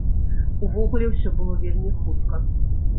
Увогуле ўсё было вельмі хутка.